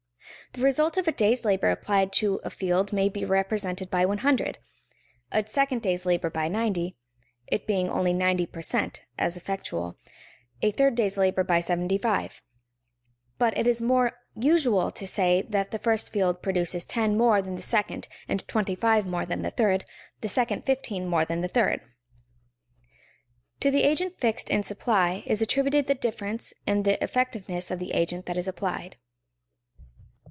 The result of a day's labor applied to a field may be represented by 100, a second day's labor by 90 (it being only ninety per cent, as effectual), a third day's labor by 75; but it is more usual to say that the first field produces 10 more than the second and 25 more than the third, the second 15 more than the third. To the agent fixed in supply is attributed the difference in the effectiveness of the agent that is applied.